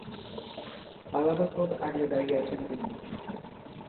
পালাবার পথ আগলে দাঁড়িয়ে আছেন তিনি।